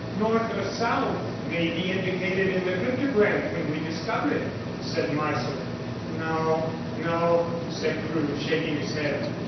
"North or south may be indicated in the cryptogram when we discover it," said Marsland. "No, no," said Crewe, shaking his head.